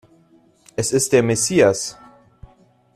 Es ist der Messias!